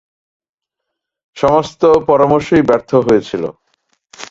সমস্ত পরামর্শই ব্যর্থ হয়েছিল।